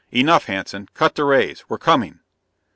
"Enough. Hanson! Cut the rays; we're coming."